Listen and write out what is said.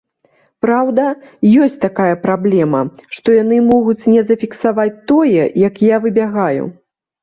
Праўда, ёсць такая праблема, што яны могуць не зафіксаваць тое, як я выбягаю.